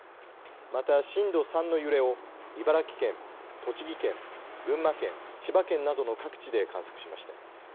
また震度３の揺れを茨城県栃木県、群馬県、千葉県などの各地で観測しました。